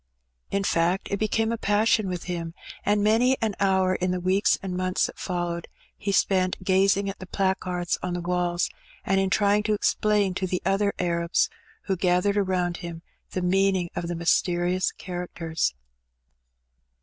In fact, it became a passion with him, and many an hour in the weeks and months that followed he spent gazing at the placards on the walls, and in trying to explain to the other Arabs who gathered around him the meaning of the mysterious characters.